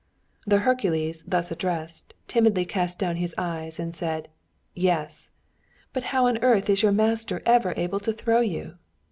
The Hercules, thus addressed, timidly cast down his eyes and said: 'Yes!' 'But how on earth is your master ever able to throw you?'